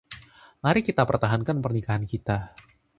Mari kita pertahankan pernikahan kita.